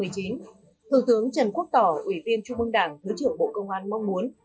thượng tướng trần quốc tỏ ủy viên trung ương đảng thứ trưởng bộ công an mong muốn